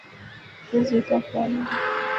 Okuziika kwa ddi?